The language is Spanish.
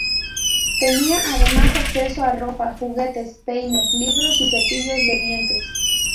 Tenía además acceso a ropa, juguetes, peines, libros y cepillos de dientes.